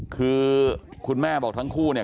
คือคุณแม่บอกทั้งคู่เนี่ย